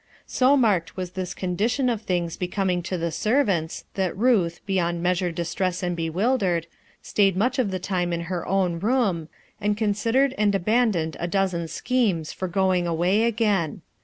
So marked was this condition of things be coming to the servants that Ruth, beyond measure distressed and bewildered, stayed much of the time in her own room, and considered ami abandoned a dozen schemes for going away again.